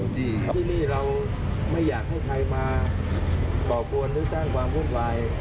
ที่นี้เราไม่อยากทัศน์มาปรบวนหรือสร้างความภูมิควาย